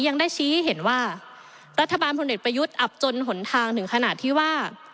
ยังได้ชี้ให้เห็นว่ารัฐบาลพลเอกประยุทธ์อับจนหนทางถึงขนาดที่ว่า